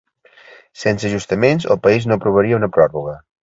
Sense ajustaments, el país no aprovaria una pròrroga.